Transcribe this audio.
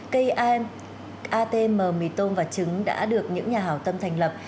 cây am atm mì tôm và trứng đã được những nhà hảo tâm thành lập